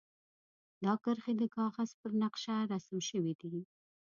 دا کرښې د کاغذ پر نقشه رسم شوي دي.